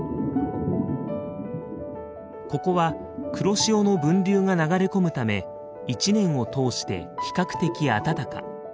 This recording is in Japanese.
ここは黒潮の分流が流れ込むため一年を通して比較的暖か。